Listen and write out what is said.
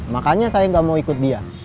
makanya saya gak mau ikut dia